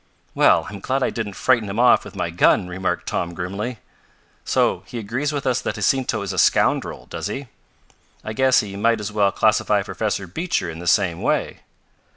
"Well I'm glad I didn't frighten him off with my gun," remarked Tom grimly. "So he agrees with us that Jacinto is a scoundrel, does he? I guess he might as well classify Professor Beecher in the same way."